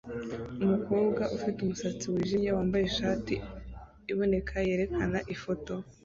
Umukobwa ufite umusatsi wijimye wambaye ishati iboneka yerekana ifoto